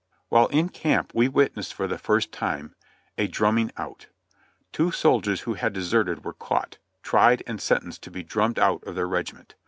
While in camp we witnessed for the first time a "drumming out." Two soldiers who had deserted were caught, tried and sentenced to be "drummed out" of their regiment.